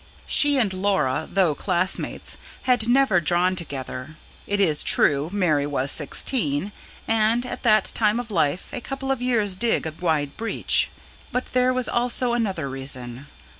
She and Laura, though classmates, had never drawn together. It is true, Mary was sixteen, and, at that time of life, a couple of years dig a wide breach. But there was also another reason.